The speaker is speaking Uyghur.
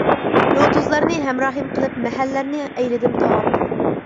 يۇلتۇزلارنى ھەمراھىم قىلىپ، مەھەللەرنى ئەيلىدىم تاۋاپ.